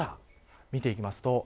見ていきますと。